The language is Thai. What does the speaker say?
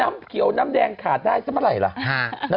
น้ำเขียวน้ำแดงขาดได้สักเมื่อไหร่ล่ะ